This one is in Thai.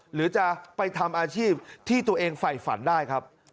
หรือจะไปทำอาชีพที่ตัวเองฝ่ายฝันได้ครับ